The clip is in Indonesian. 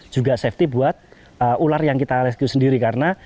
juga safety buat ular yang kita rescue sendiri karena